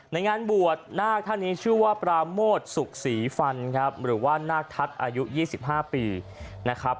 ในงานบวชนาคท่านนี้ชื่อว่าปราโมทสุขศรีฟันครับหรือว่านาคทัศน์อายุ๒๕ปีนะครับ